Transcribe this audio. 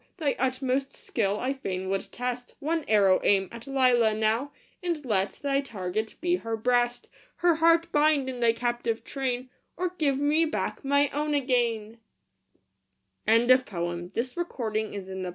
Thy utmost skill I fain would test ; One arrow aim at Lelia now, And let thy target be her breast ! Her heart bind in thy captive train, Or give me back my own again 1 THE DREAM OF LOVE.